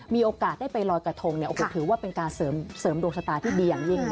มีโอกาสได้ไปลอยกระทงเนี่ยโอ้โหถือว่าเป็นการเสริมดวงชะตาที่ดีอย่างยิ่ง